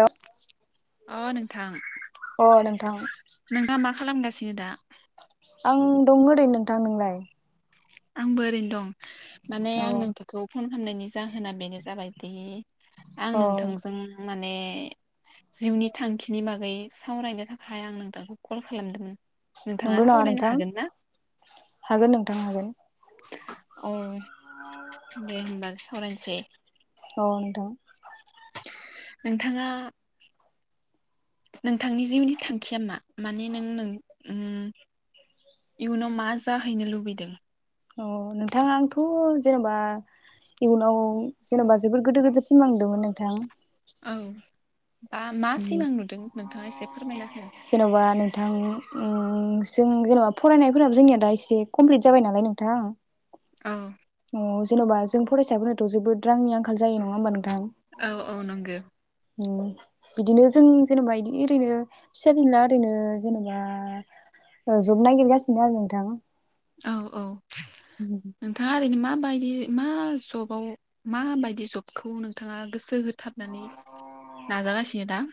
Hello अ' नोंथां अ नोंथां नोंथा मा खालामगासि बे दा आं दं आरैनो नोंथां नोंलाय? आंबो ओरैनो दं। माने औ आं नोंथांखौ फन हामनायनि जाहोना बेनो जाबायदि आं औ नोंथांजों माने जिउनि थांखिनि बागै सावरायनो थाखाय आं नोंथांखौ कल खालामदोंमोन? नोंथाङा नंगौ नङा सावरायनो नोंथां हागोन ना हागोन नोंथां हागोन। अ' दे होमबा सावरायनोसै। अ' नोंथां। नोंथाङा नोंथांनि जिउनि थांखिया मा माने नों नों नों इयुनाव मा जाहैनो लुबैदों? अ' नोंथाङा आंथ' जेनेबा इयुनाव जेनेबा जोबोर गोदोर गो सिमां नुदोंमोन नोंथां। औ आ मा सिमां नुदों नोंथाङा एसे फोरमायना हो? जेन'बा नोंथां उम जों जेनेबा फरायनायफोराबो जोंनिया दा एसे कमप्लिट जाबाय नालाय नोंथां। औ अ' जेन'बा जों फरायसाफोराथ' जोबोद रांनि आंखाल जायो नङा होमबा नों औ औ नोंगो उम बिदिनो जों जेनबा इदि ओरैनो फिसा फेनला ओरैनो जेनेबा ओ जब नागिरगासिनो आरो नोंथां। औ औ नोंथाङा ओरैनो माबाय दि मा जबाव माबायदि जबखौ नोंथाङा गोसो हो थाबनानै नाजागासिनो दा?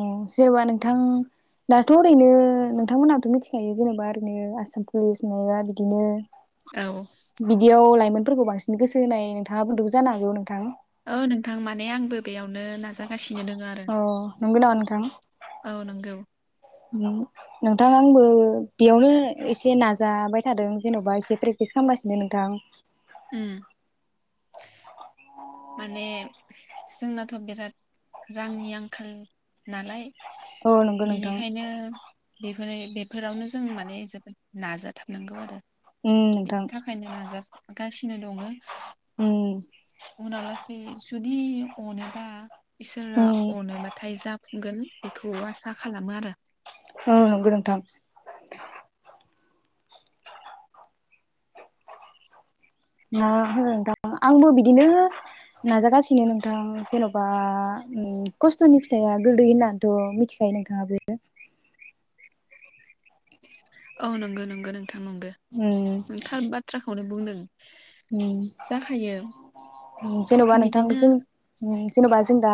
अ' जेनेबा नोंथां दाथ' ओरैनो नोंथांमोनहाबोथ' मिथिखायो जेन'बा ओरैनो आसाम पुलिस माबा बिदिनो औ बिदियाव लाइमोन फोरखौ बांसिन गोसो होनाय नोंथाङाबो नुदो जानो हागौ नोंथां। औ नोंथां माने आंबो बेयावनो नाजागासि अ' नंगौ नामा नोंथां? औ नंगौ नोंथां आंबो बेयावनो एसे नाजाबाय थादों जेन'बा एसे प्रेक्टिस खालामगासिनो नोंथां उम माने जोंनाथ' बिराद रांनि आंखाल नालाय औ नंगौ नोंथां बेनिखायनो बे [unintelligible] फ्राय बेफोरावनो जों माने जोबोद नाजाथाब नोंगौ आरो उम बेनि नोंथां थाखायनो नाजागासिनो दङो। उम उनाव लासेै जुदि अनोबा इसोरा उम अनोबाथाय जाफुंगोन बेखौ आसा खालाम मारो औ नोंगौ नोंथां। मा [unintelligible] दा आंबो बिदिनो नाजागासिनो नोंथां जेन'बा खस्थ'नि फिथाइआ गोदै होननानैथ' मिथिखायो नोंथाङाबो। औ नंगो नंगो नोंथां नंगो नों उम थार बाथ्राखौनो बुंदों जाखायो उम जेनबा बिदिनो नोंथांसो जेनबा जों दा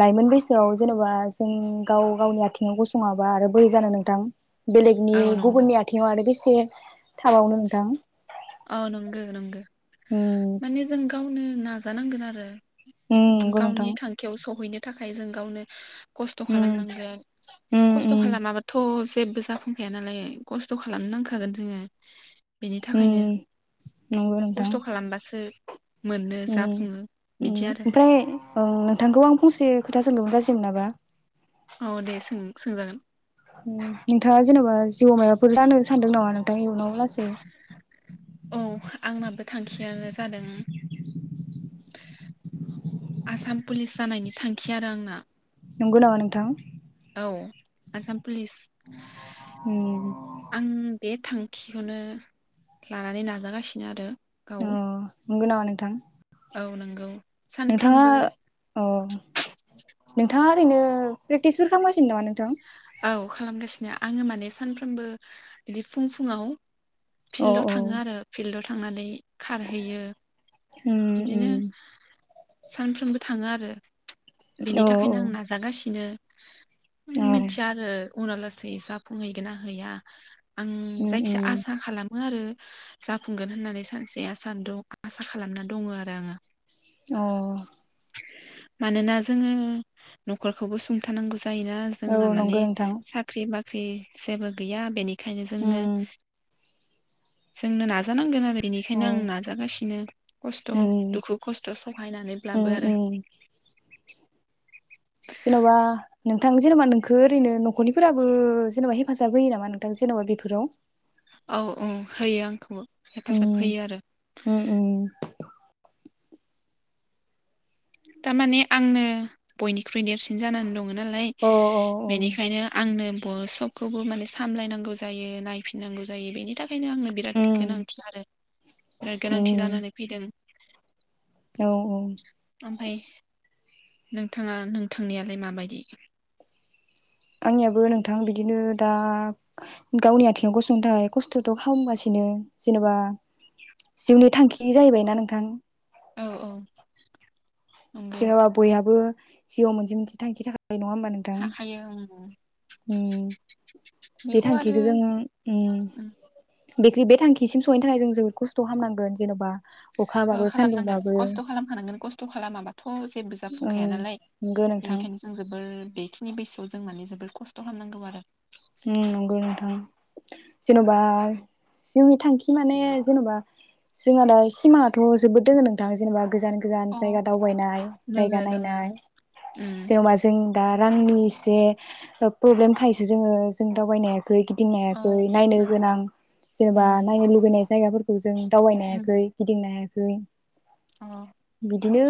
लाइमोन बैसोआव जेनबा जों गाव गावनि आथिङाव गसङाबा आरो बोरै जानो नोंथां। बेलेगनि औ नंगौ गुबुननि आथिङाव आरो बेस से थाबावनो नोंथां अ नंगो नंगो उम माने जों गावनो ना नाजानांगोन आरो उम नंगौ गावनि नोंथां थांखियाव सहैनो थाखाय जों गावनो खस्थ' उम खालामनांगोन उम खस्थ' उम खालामाबाथ' जेबो जाफुंखाया नालाय खस्थ' खालाम नांखागोन जोङो बिनि थाखायनो उम नंगौ नोंथां। खस्थ' [unintelligible] उ जाफुङो उ बिदि आरो ओमफ्राय ओं नोंथांखौ आं फंसे खोथास [unintelligible] गाज्रि मोनाबा औ दे सों सोंजागोन उ नोंथाङा जेनेबा जिबौमाया [unintelligible] बुरजा [unintelligible] सानदों नामा नोंथांनि इयुनाव लासै? औ आंनाबो थांखियानो जादों आसाम पुलिस जानायनि थांखि आरो आंना नंगौ नामा नोंथां औ आसाम पुलिस उम आं बे थांखिखौनो लानानै नाजागासिनो आरो गाव अ नोंगौ नामा नोंथां औ नंगौ नोंथाङा सानफ्रोमबो अ नोंथाङा ओरैनो नो प्रेकटिस खालाम [unintelligible] नोंथां औ खालामगासिनो आङो माने सानफ्रोमबो बिदि फुं फुुंआव अ फिल्डाव औ थाङो आरो फिल्डाव थाङ थांनानै खारहैयो उम उम बिदिनो सानफ्रोमबो थाङो आरो बेनि औ थाखायनो आं नाजागासिनो औ मिथिया आरो उनाव लासै जाफुंहैगोना हैया आं उम जायखिजाया उम आसा खालाम आरो जाफुंगोन होननानै सानसे दं आसा खालामना दङ आरो आङो औ मानोना जोङो न'खरखौबो सुंथानांगौ जायो औ जोंहा माने नंगौ नोंथां साख्रि बाख्रि बाख्रि जेबो गैया बेनि खायनो जोंनो उम जोंनो नाजानांगोन आरो अ बिनिखायनो आं नाजागासिनो खस्थ' उम दुखु खस्थ' उम सहायनानैब्लाबो आरो उम जेन'बा नोंथां जेनेबा नोंखौ ओरैनो न'खरनिफोराबो जेनेबा हेफाजाब होयो नामा नोंथां जेन'बा बेफोराव औ औ होयो आंखौबो उ उ थारमाने आंनो बयनिख्रुइ देरसिन जानानै दङ मोननालाय औ औ बेनिखायनो आंनो सबखौबो माने सामलायनांगौ जायो नायफिननांगौ जायो बेनि थाखाय ओंखायनो आंनो बिराद उम गोनांथि आरो बिराद गोनांथि उम जानानै फैदों औ औ ओमफाय नोंथाङा नोंथांनियालाय माबायदि आंनियाबो नोंथां बिदिनो दा गावनि आथिंङाव गसंथाइ खस्थ'थ' खालामगासिनो जेनेबा जिउनि थांखि जाहैबायना नोंथां। औ औ नंगौ जेनेबा बयहाबो जिउआव मोनसे मोनसे थांखि थाख ओ नङा होमबा नोंथां हाखायो उम उम बे बेखौ आरो थांखिखो जोंङो उम बेखि बे थांखिसिम सहैनो थाखाय जों जोबोद खस्थ' खामनांगोन जेन'बा ओ अखाबाबो खालामनांगोन सान्दुंबाबो खस्थ' खालामखानांगोन खस्थ' खालामाबाथ' थ' जेबो ओं जाफुंखाया नालाय नंगौ नोंथां बेनिखायनो जों जोबोर उम बेखिनि बैसोआव जों माने जोबोर खस्थ' खामनांगौ आरो उम नंगौ नोंथां जेन'बा जिउनि थांखि माने जेन'बा जोंहा दा सिमांङाथ' जोबोद दोंङो नोंथां जेनेबा गोजान गोजान अ जायगा दावबायनाय जायगा दोङो दोङो नायनाय उम जेन'बा जों दा रांनि एसे ओ प्रब्लेम खायसो जोंङो जों दावबायनाया खै गिदिंनो अ हायाखै नायनो नों गोनां जेनेबा उम नायनो लुबैनाय ज जायगाफोरखौ स जों दावबायनो हायाखै उम गिदिंनो हाया खै अ बिदिनो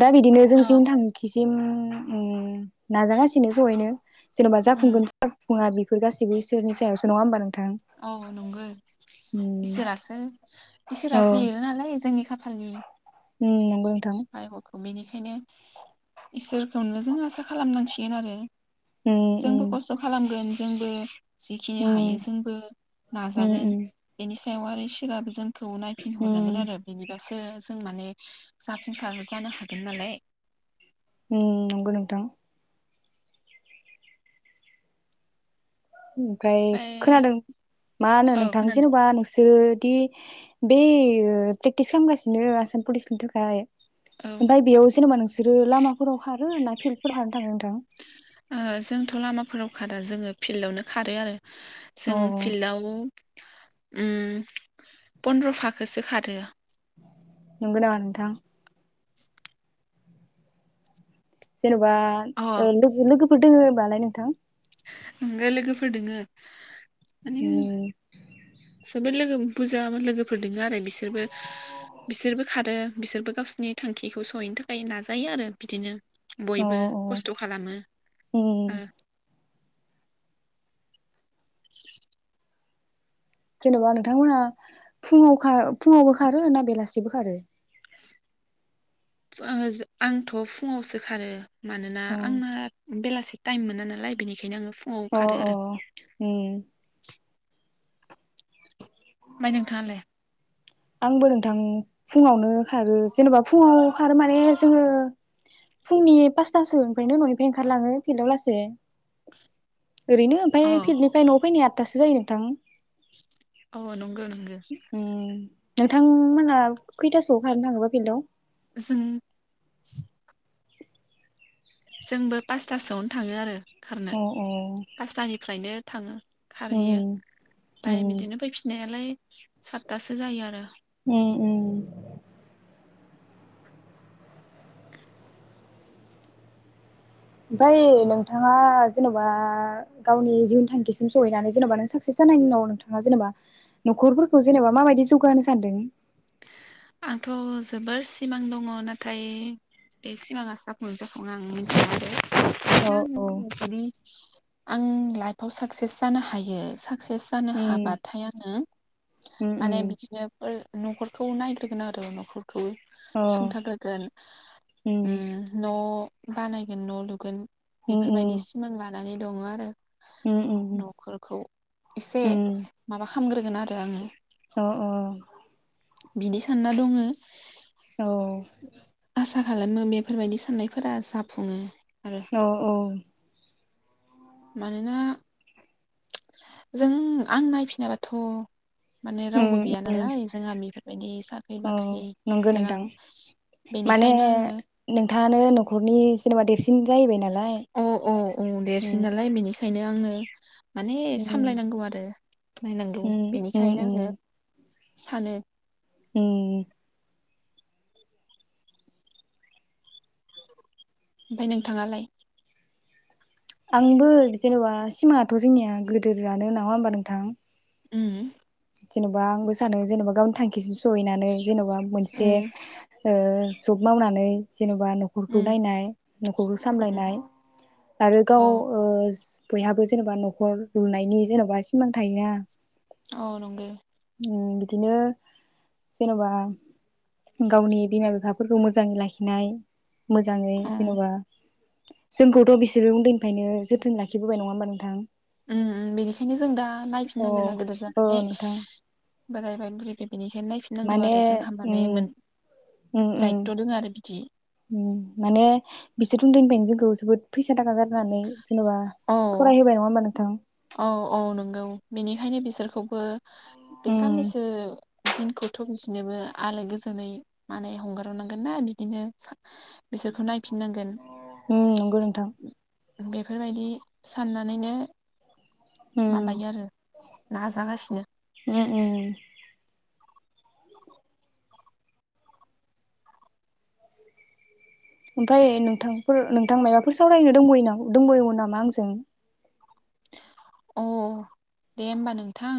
दा बिदिनो जों अ जियावनो थांखिस सिम उम नाजागासिनो ज'यैनो जेन'ब उम बुंगोन सोब बुङा बि बेफोर गासैबो इसोरनि सायावसो नंङा होमबा नोंथ औ नंगो उम इसोरासो औ इसोरासो लिरो नालाय जोंनि खा फालनि उम नंगो नोंथां। बेनिखायनो इसोरखौनो जों आसा खालामनांसिगोन आरो उम जोंबो उम खस्थ' खालाम गोन जोंबो जिखिनि हायो उम जोंबो उम नाजागोन उम एनि सायाव आरो इसोराबो जों खौ नायफिनहरनांगोन उम आरो बेनिबासो जों माने जाफुंसार जानो हागोन नालाय। उम नंगो नोंथां। [unintelligible] ओमफ्राय खोनादों मा होनो औ नोंथां खोनादों जेनबा नोंसोर दि बै ओ प्रेक्टिस खामगासिनो आसाम पुलिसनि थाखाय। औ ओमफ्राय बेयाव जेनबा नोंसो रो लामाफोराव खारो ना फिल्दफोराव खारनो थाङो नोंथां? ओ जोंथ' लामाफोराव खारा जोङो फिल्डआवनो खारो आरो। अ जों फिल्डआव उम पन्द्र' फाखोरसो खारो। नोंगौना नोथां? जेनबा अ ओ लोगो-लोगोफोर दोङो बालाय नोंथां? आंगो लोगोफोर दोङो। उम। ओमफ्राय लोगो बुजा लोगोफोर दोङो आरो बिसोरबो बिसोरबो खारो। बिसोरबो गावसिनि थांखिखौ सहैनो थाखाय नाजायो आरो बिदिनो बयबो खस्थ खालामो उम ओ। [inaudible] जेनबा नोंथांमोनहा फुङाव खा फुङावबो खारो ना बेलासिबो खारो? आङो आंथ' फुङावसो खारो। मानोना अ आंना बेलासे टाइम मोना नालाय बेनिखाय नो आङो फुङाव अ खारो आरो। उम ओमफ्राय नोंथाङालाय? थां फुङावनो खारो जेनबा फुङाव खारो माने जोङो फुंनि पासथासो निफ्रायनो न'निफाय ओंखारलाङो फिल्डआव लासे से। ओरैनो ओमफाय अ फिल्डनिफ्राय न'आव फैनाया आदथासो जायो नोंथां। औ नंगो नंगो। नोंथांमोना खैथासोआव खारनो थाङोबा फिल्डआव? जों जोंबो पासथासोआवनो थाङो आरो खारनो अ अ फासटानिफ्रायनो थाङो। खारहैयो‌ उम फाय उम बिदिनो फैफिनायालाय सातथासो जायो आरो। उम उम। ओमफाय नोंथाङा जेन'बा गावनि जिउनि थांखिसिम सहैनानै जेनेबा नों साक्सेस जानायनि उनाव नोंथाङा जेनेबा न'खरफोरखौ जेनेबा माबायदि जौगाहोनो सानदों? आंथ' जोबोर सिमां दङ' नाथाय बे सिमाङासो जाफुंना जाफुङा आं औ मिथिया औ आरो। [unintelligible] आं लाइफआव साक्सेस जानो हायो साक सेस जानो उम हाबाथाय आङो उम माने उम बिदिनो फोर न'खरखौ नाय [unintelligible] आरो नखर खौ अ सुंथाग्रोगोन उम न' बानायगोन न' लुगोन उम बेफोरबायदि उम सिमां ला लानानै दङो आरो। [unintelligible] उम उम न'खरखौ एसे उम माबा खा खामग्रोगोन आरो आङो। अ अ। बिदि स सान्ना दङो। औ। आसा खालामो बेफोरबायदि साननायफोरा जाफुङो। आरो औ औ। मानोना [unintelligible] जों आं नायफिनाबाथ' माने रावबो उम गैया नालाय जोंहा बेफोरबायदि साख्रि औ बाख्रि नंगौ गोनां नोंथां माने बेनिखायनो आङो जेन'बा देरसि औ औ औ देरसिन उम नालाय बेनिखायनो आङो ङो माने उम सामलायनांगौ आरो। नायनांगौ उम उम बेनिखायनो आङो उम सानो। उम। ओमफाय नोंथाङालाय? आंबो जेन'बा सिमाङाथ' जोंनिया गोदोर जानो नङा होमबा नोंथां? उम। जेनेबा आंबो सानदों जेनेबा गावनि थांखिसिम सहैनानै जेन'बा मोनसे उम ओ जब मावनानै। जेन'बा न'खरखौ उम नायनाय न'खरखौ उम सामलायनाय आरो औ गाव ओ बयहाबो जेनेबा न'खर लुनायनि जेनेबा सिमां थायोना। औ नंगे। उम बिदिनो जेनेबा गावनि बिमा बिफाफोरखौ मोजाङै लाखिनाय। मोजाङै उम जेनेबा। जोंखौथ' बिसोरो उन्दैनिफ्रायनो जोथोन लाखिबोबाय नङा होमबा नोंथां। उम उम बेनिखायनो जों दा। अ नायफिनां गोदा गोदोर औ जानानै। नोंथां बोरायबाय बुरैबाय। बेनिखायनो नायफिननांगौ माने आरो जोंहा उम माने मोन उम उम दायथ' दोङो आरो बिदि उम माने बिसोर उन्दैनिफ्रायनो जोंखौ। [unintelligible] फैसा थाखा गार होनानै जेन'बा औ फरायहोबाय नङा होमबा नोंथां। औ औ नंगौ बेनिखायनो बिसोरखौबो। बे उम साननैसो। दिनखौथ' बिसोरनोबो आलो गोजोनै माने हगारनांगोनना बिदिनो। बिसोरखौ नायफिननांगोन। उम नंगौ नोंथां बेफोरबायदि साननानैनो। उम माबायो आरो नाजागासिनो। उम उम ओमफ्राय नोंथांफोर नोंथां मायाबाफोर सावरायनो दब'योना दंब'योमोन नामा आंजों। अ दे होमबा नोंथां।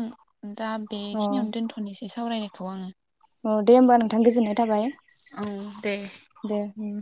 दा अ बेखिनियावनो दोनथ'नोसै। ए सावरायनायखौ आङो। अ दे होमबा नोंथां गोजोननाय थाबाय औ दे दे उम।